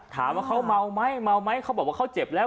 ถามว่าเขาเมาไหมเมาไหมเขาบอกว่าเขาเจ็บแล้ว